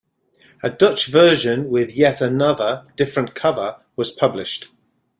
A Dutch version with yet another different cover was published.